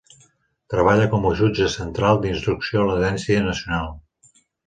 Treballa com a jutge central d'instrucció a l'Audiència Nacional.